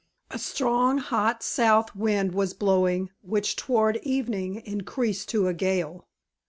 A strong, hot south wind was blowing, which toward evening increased to a gale.